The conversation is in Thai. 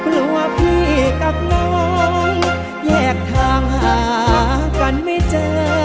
กลัวพี่กับน้องแยกทางหากันไม่เจอ